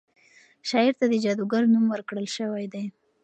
شاعر ته د جادوګر نوم ورکړل شوی دی.